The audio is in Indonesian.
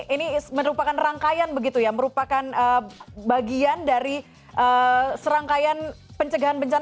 ini merupakan rangkaian begitu ya merupakan bagian dari serangkaian pencegahan bencana